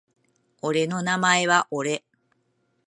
俺の名前は俺